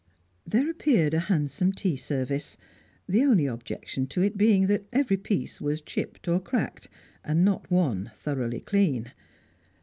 There appeared a handsome tea service; the only objection to it being that every piece was chipped or cracked, and not one thoroughly clean.